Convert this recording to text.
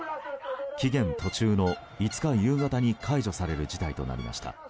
期限途中の５日夕方に解除される事態となりました。